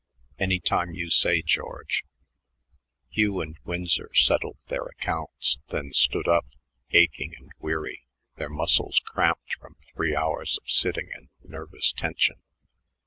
"Any time you say, George." Hugh and Winsor settled their accounts, then stood up, aching and weary, their muscles cramped from three hours of sitting and nervous tension.